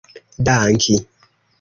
danki